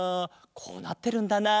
こうなってるんだな。